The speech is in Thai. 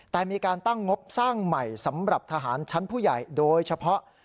แต่มีการตั้งงบสร้างใหม่สำหรับทหารชั้นผู้ใหญ่โดยเฉพาะ